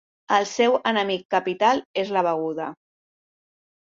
El seu enemic capital és la beguda.